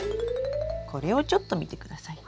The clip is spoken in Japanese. これをちょっと見てください。